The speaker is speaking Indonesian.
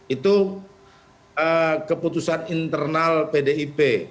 itu keputusan internal pdip